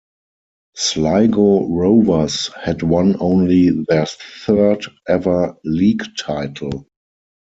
Sligo Rovers had won only their third ever league title.